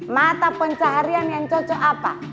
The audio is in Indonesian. mata pencaharian yang cocok apa